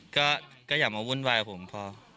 ก็อย่ามาวุ่นวายกับผมพอ